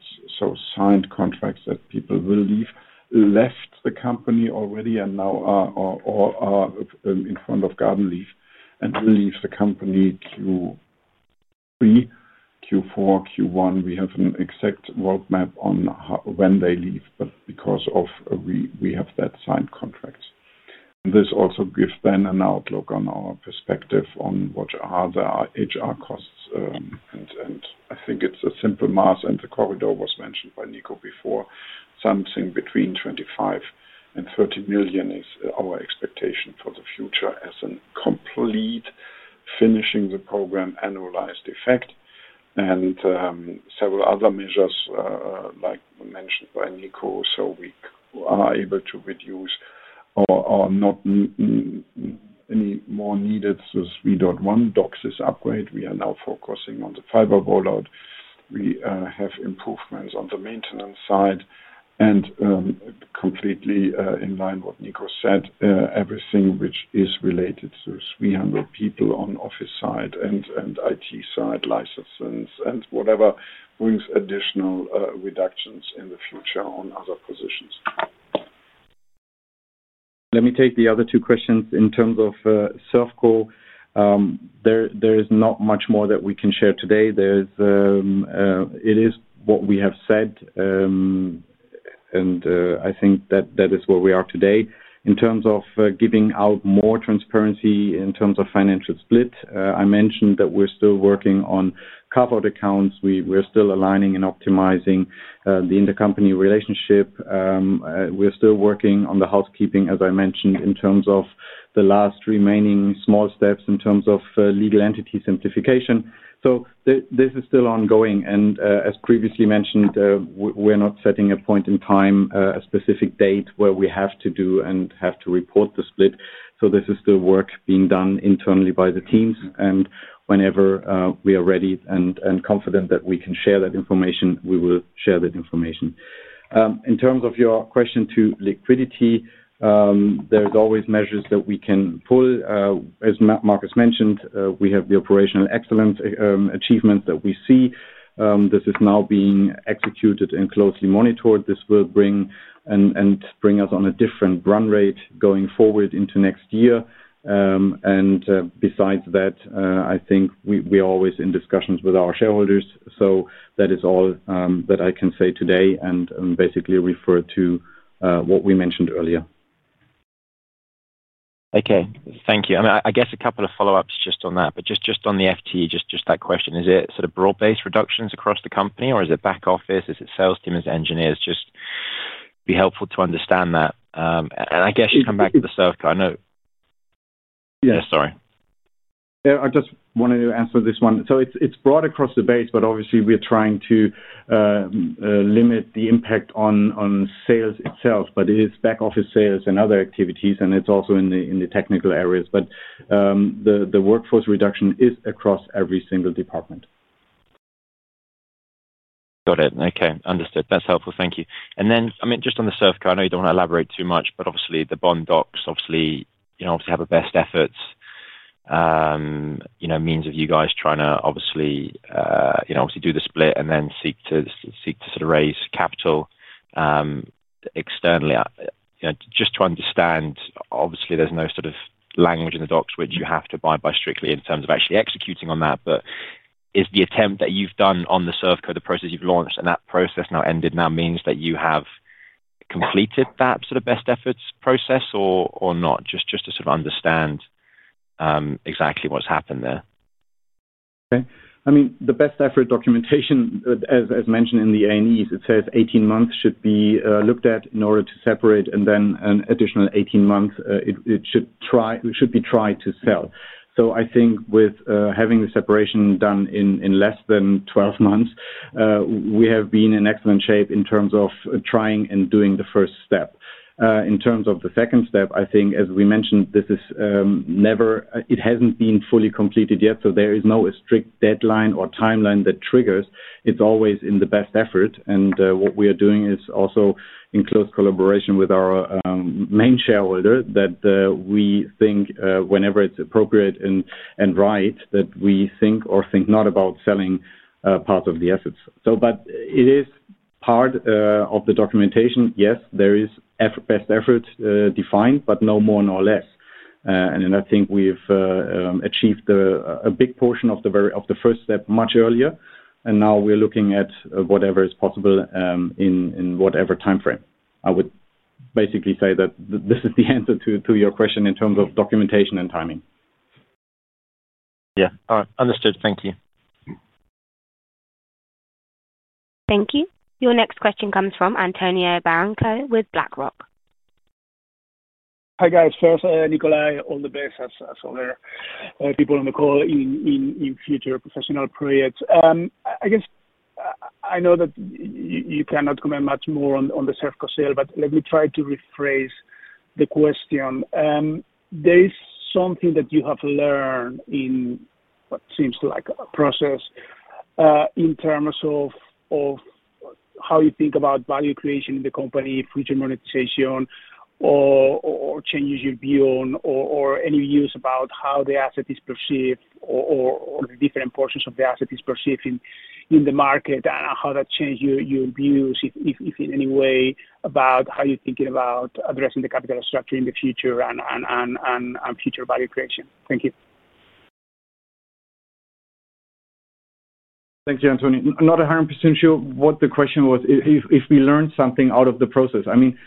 Signed contracts that people will leave, left the company already and now are in front of garden leave, and will leave the company Q3, Q4, Q1. We have an exact roadmap on when they leave, because we have that signed contract. This also gives then an outlook on our perspective on what are the HR costs. I think it's a simple math. The corridor was mentioned by Nico before. Something between €25 million and €30 million is our expectation for the future, as a complete finishing the program annualized effect. Several other measures, like mentioned by Nico, so we are able to reduce or not any more needed, the 3.1 DOCSIS upgrade. We are now focusing on the fiber rollout. We have improvements on the maintenance side. Completely in line with what Nico said, everything which is related to 300 people on the office side and IT side licenses, and whatever brings additional reductions in the future on other positions. Let me take the other two questions. In terms of ServCo, there is not much more that we can share today. It is what we have said. I think that that is where we are today. In terms of giving out more transparency in terms of financial split, I mentioned that we're still working on carve-out accounts. We're still aligning and optimizing the intercompany relationship. We're still working on the housekeeping, as I mentioned, in terms of the last remaining small steps in terms of legal entity simplification. This is still ongoing. As previously mentioned, we're not setting a point in time, a specific date where we have to do and have to report the split. This is still work being done internally by the teams. Whenever we are ready and confident that we can share that information, we will share that information. In terms of your question to liquidity, there's always measures that we can pull. As Markus mentioned, we have the operational excellence achievement that we see. This is now being executed and closely monitored. This will bring us on a different run rate going forward into next year. Besides that, I think we're always in discussions with our shareholders. That is all that I can say today, and basically refer to what we mentioned earlier. Okay, thank you. I guess a couple of follow-ups just on that, but just on the FTE, just that question. Is it sort of broad-based reductions across the company, or is it back office? Is it sales team? Is it engineers? It'd just be helpful to understand that. I guess, you'll come back to the ServCo. Yeah, sorry. Yeah. I just wanted to answer this one. It's broad across the base, but obviously, we're trying to limit the impact on sales itself. It is back office sales and other activities, and it's also in the technical areas. The workforce reduction is across every single department. Got it. Okay, understood. That's helpful. Thank you. Just on the ServCo, I know you don't want to elaborate too much, but obviously, the bond docs have the best efforts. Means if you guys trying to do the split and then seek to raise capital externally, just to understand, there's no language in the docs which you have to abide by strictly in terms of actually executing on that. Is the attempt that you've done on the ServCo, the process you've launched and that process now ended, now means that you have completed that sort of best efforts process or not? Just to understand exactly what's happened there. Okay. I mean, the best effort documentation, as mentioned in the A&Es, it says 18 months should be looked at in order to separate and then an additional 18 months, we should try to sell. I think with having the separation done in less than 12 months, we have been in excellent shape in terms of trying and doing the first step. In terms of the second step, I think as we mentioned, it hasn't been fully completed yet. There is no strict deadline or timeline that triggers. It's always in the best effort. What we are doing is also in close collaboration with our main shareholder, that we think whenever it's appropriate and right, that we think or think not about selling part of the assets. It is part of the documentation. Yes, there is best efforts defined, but no more nor less. I think we've achieved a big portion of the first step much earlier. Now we're looking at whatever is possible in whatever timeframe. I would basically say that this is the answer to your question in terms of documentation and timing. All right, understood. Thank you. Thank you. Your next question comes from Antonio Barranco with BlackRock. Hi guys. First, Nicolai on the base, as all the people on the call, in future professional projects. I guess I know that you cannot comment much more on the ServCo sale, but let me try to rephrase the question. There something that you have learned in what seems like a process, in terms of how you think about value creation in the company, future monetization, or changes you view on, or any views about how the asset is perceived or the different portions of the asset are perceived in the market, and how that changes your views, if in any way, about how you're thinking about addressing the capital structure in the future and future value creation. Thank you. Thank you, Antonio. Not 100% sure what the question was, if we learned something out of the process. I mean,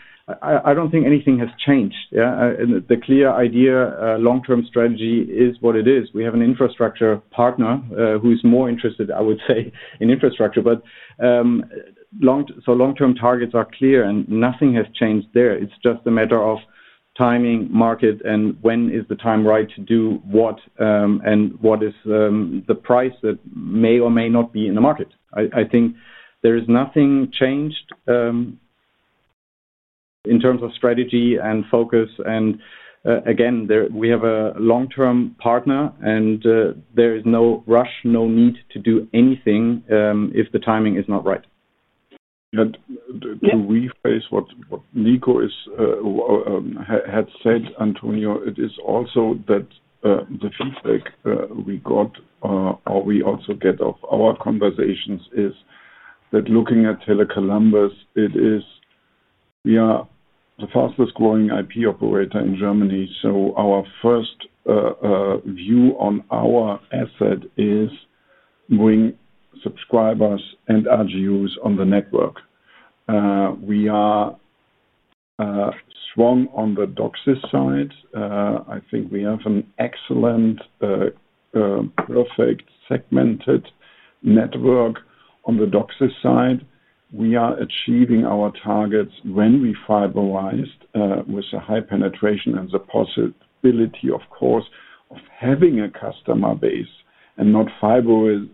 I don't think anything has changed. The clear idea, long-term strategy is what it is. We have an infrastructure partner who is more interested, I would say, in infrastructure. Long-term targets are clear and nothing has changed there. It's just a matter of timing, market, and when is the time right to do what, and what is the price that may or may not be in the market? I think there is nothing changed in terms of strategy and focus. Again, we have a long-term partner and there is no rush, no need to do anything if the timing is not right. To rephrase what Nico had said, Antonio, it is also that the feedback we got or we also get off our conversations is that looking at Tele Columbus, we are the fastest growing IP operator in Germany. Our first view on our asset is bringing subscribers and RGUs on the network. We are strong on the DOCSIS side. I think we have an excellent, perfect segmented network on the DOCSIS side. We are achieving our targets when we fiberized with a high penetration and the possibility, of course of having a customer base and not fiberization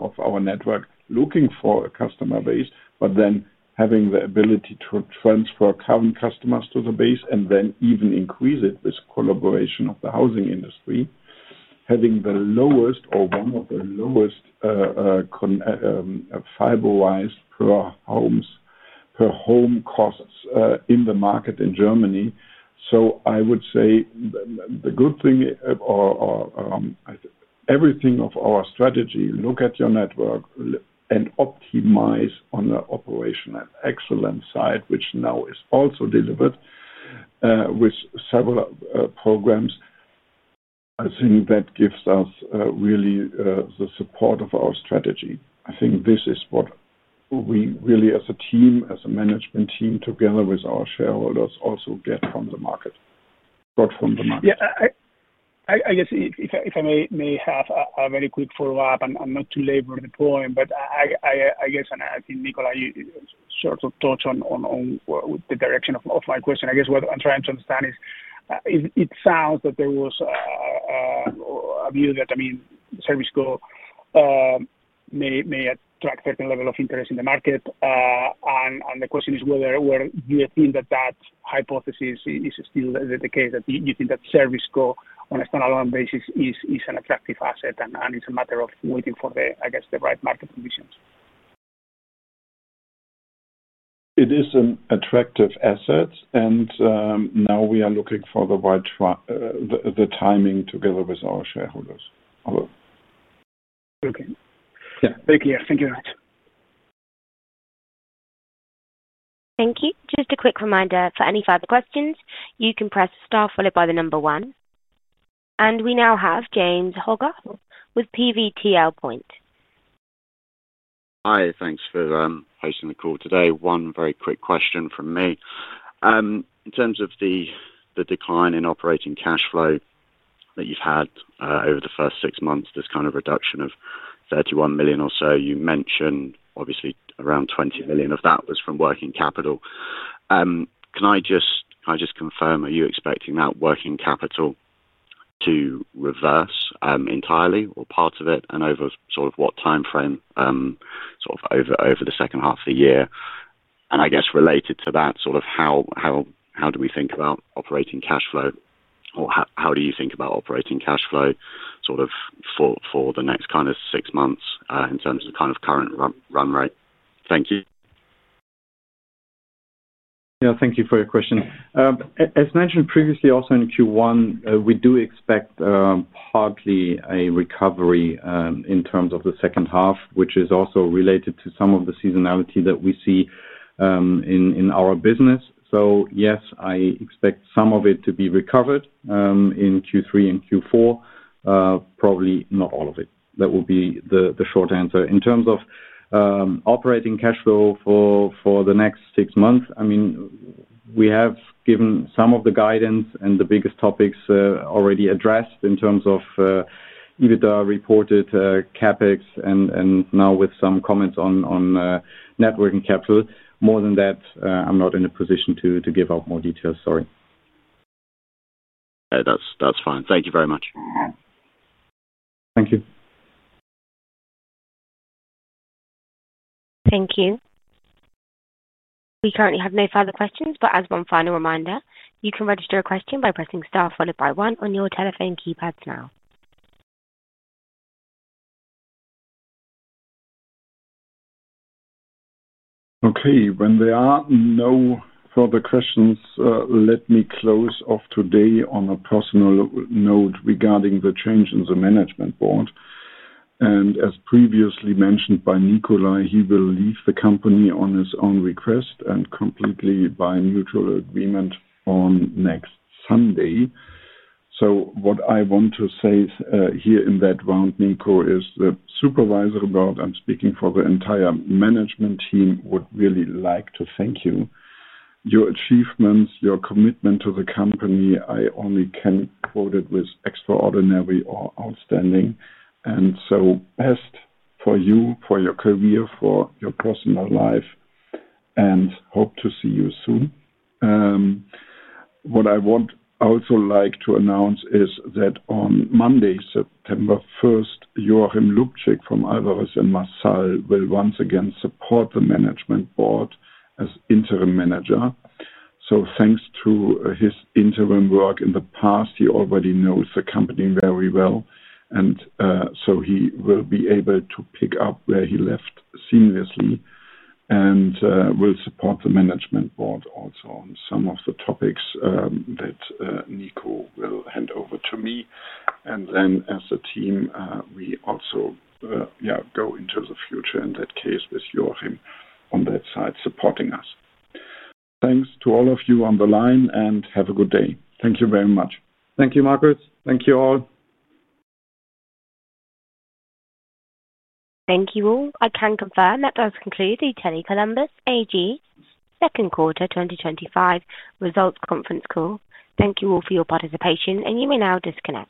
of our network looking for a customer base, but then having the ability to transfer current customers to the base and then even increase it. This collaboration of the housing industry, having the lowest of them or one of the lowest fiberized per home costs in the market in Germany. I would say the good thing or everything of our strategy, look at your network and optimize on the operational excellence side, which now is also delivered with several programs. I think that gives us really the support of our strategy. I think this is what we really, as a team, as a management team, together with our shareholders, also get from the market. Yeah. I guess if I may have a very quick follow-up, I'm not too late for the point, and I think Nicolai, you also touched on the direction of my question. I guess what I'm trying to understand is, it sounds that there was a view that ServCo may attract a certain level of interest in the market. The question is whether you think that that hypothesis is still the case, that you think that ServCo on a standalone basis is an attractive asset and it's a matter of waiting for the right market conditions. It is an attractive asset, and now we are looking for the right timing together with our shareholders. Thank you very much. Thank you. Just a quick reminder, for any further questions, you can press star followed by the number one. We now have James Hogarth with PVTL Point. Hi, thanks for hosting the call today. One very quick question from me. In terms of the decline in operating cash flow that you've had over the first six months, this kind of reduction of €31 million or so, you mentioned obviously around €20 million of that was from working capital. Can I just confirm, are you expecting that working capital to reverse entirely or part of it, and over sort of what timeframe over the second half of the year? I guess related to that, how do we think about operating cash flow, or how do you think about operating cash flow for the next six months in terms of the current run rate? Thank you. Yeah. Thank you for your question. As mentioned previously, also in Q1, we do expect partly a recovery in terms of the second half, which is also related to some of the seasonality that we see in our business. Yes, I expect some of it to be recovered in Q3 and Q4, probably not all of it. That will be the short answer. In terms of operating cash flow for the next six months, we have given some of the guidance and the biggest topics are already addressed in terms of EBITDA reported, CapEx and now with some comments on networking capital. More than that, I'm not in a position to give out more details, sorry. Yeah, that's fine. Thank you very much. Thank you. Thank you. We currently have no further questions, but as one final reminder, you can register a question by pressing star followed by one on your telephone keypads now. Okay, when there are no further questions, let me close off today on a personal note regarding the change in the Management Board. As previously mentioned by Nicolai, he will leave the company on his own request and completely by mutual agreement, on next Sunday. What I want to say here in that round, Nico, as the supervisor above and speaking for the entire management team, we'd really like to thank you. Your achievements, your commitment to the company, I only can quote it with extraordinary or outstanding. Best for you, for your career, for your personal life, and hope to see you soon. What I would also like to announce that on Monday, September 1, Joachim Lubsczyk from Alvarez & Marsal will once again support the Management Board as Interim Manager. Thanks to his interim work in the past, he already knows the company very well. He will be able to pick up where he left seamlessly, and will support the Management Board also on some of the topics that Nico will hand over to me. As a team, we also go into the future in that case with Joachim on that side supporting us. Thanks to all of you on the line, and have a good day. Thank you very much. Thank you, Markus. Thank you all. Thank you, all. I can confirm that does conclude the Tele Columbus AG Second Quarter 2025 Results Conference Call. Thank you all for your participation, and you may now disconnect.